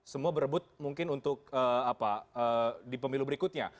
semua berebut mungkin untuk di pemilu berikutnya